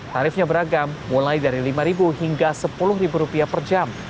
tarifnya beragam mulai dari rp lima hingga rp sepuluh per jam